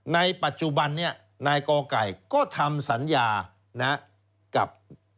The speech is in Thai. ในปัจจุบันนี้นายกอไก่ก็ทำสัญญานะกับ